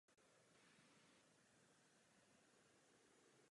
Zvonění rozdělujeme do následujících kategorií.